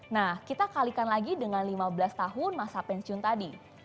nah kita kalikan lagi dengan lima belas tahun masa pensiun tadi